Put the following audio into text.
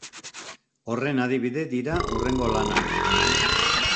Horren adibide dira hurrengo lanak.